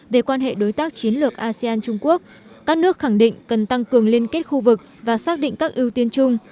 về quan hệ đối tác chiến lược asean trung quốc các nước khẳng định cần tăng cường liên kết khu vực và xác định các ưu tiên chung